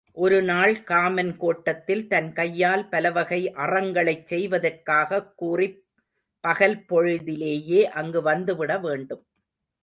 ஒருநாள் காமன் கோட்டத்தில் தன் கையால் பலவகை அறங்களைச் செய்வதாகக் கூறிப் பகல்பொழுதிலேயே அங்கு வந்துவிட வேண்டும்.